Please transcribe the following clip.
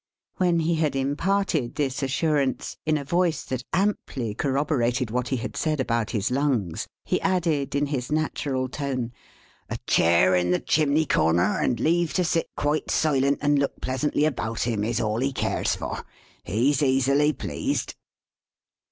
When he had imparted this assurance, in a voice that amply corroborated what he had said about his lungs, he added in his natural tone, "A chair in the chimney corner, and leave to sit quite silent and look pleasantly about him, is all he cares for. He's easily pleased."